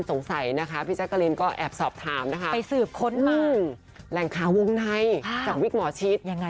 ใช่จากวิกหมอชิด